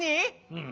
うん。